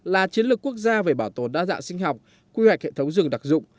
là chiến lược quốc gia về bảo tồn đa dạng sinh học quy hoạch hệ thống rừng đặc dụng